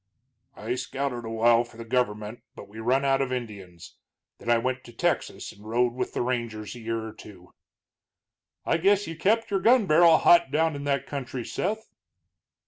"I scouted a while for the gover'ment, but we run out of Indians. Then I went to Texas and rode with the rangers a year or two." "I guess you kept your gun barrel hot down in that country, Seth?"